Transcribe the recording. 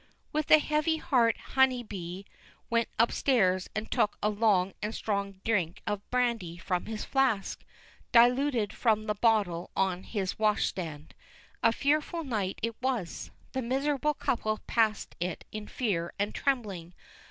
With a heavy heart Honeybee went upstairs and took a long and strong drink of brandy from his flask, diluted from the bottle on his wash stand. A fearful night it was the miserable couple passed it in fear and trembling.